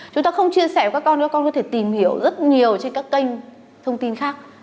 chúng ta không chia sẻ với các con nữa con có thể tìm hiểu rất nhiều trên các kênh thông tin khác